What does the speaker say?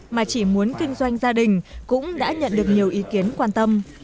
mà chỉ muốn kinh doanh gia đình cũng đã nhận được nhiều ý kiến quan tâm